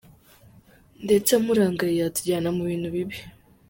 Ndetse murangaye, yatujyana mu bintu bibi.